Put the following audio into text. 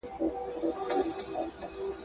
پر دېوان مي یم پښېمانه خپل شعرونه ښخومه!